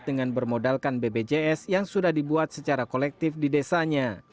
dengan bermodalkan bpjs yang sudah dibuat secara kolektif di desanya